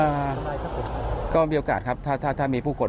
อ่าก็มีโอกาสครับถ้ามีผู้คน